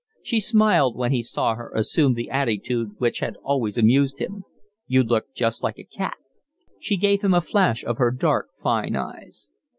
He smiled when he saw her assume the attitude which had always amused him. "You look just like a cat." She gave him a flash of her dark, fine eyes.